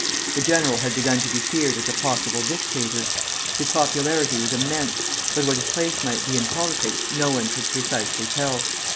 The general had begun to be feared as a possible dictator. His popularity was immense; but what his place might be in politics no one could precisely tell.